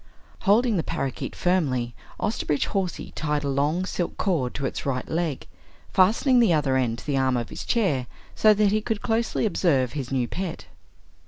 Holding the parakeet firmly, Osterbridge Hawsey tied a long silk cord to its right leg, fastening the other end to the arm of his chair so that he could closely observe his new pet.